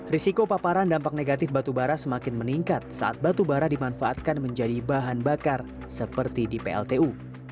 risiko paparan dampak negatif batubara semakin meningkat saat batubara dimanfaatkan menjadi bahan bakar seperti di pltu